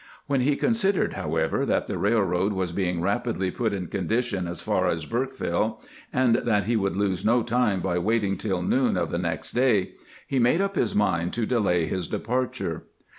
"When he considered, however, that the railroad was being rapidly put in condition as far as Burkeville, and that he would lose no time by waiting tUl noon of the next day, he made up his mind to delay his departure.